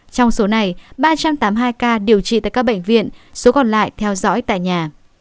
trong số này ba trăm tám mươi hai ca điều trị tại các bệnh viện số còn lại theo dõi tại nhà